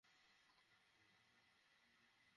ঠিক আছে, আমরা বন্ধু নই।